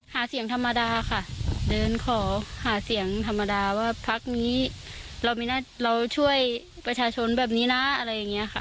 หาเสียงธรรมดาค่ะเดินขอหาเสียงธรรมดาว่าพักนี้เราช่วยประชาชนแบบนี้นะอะไรอย่างนี้ค่ะ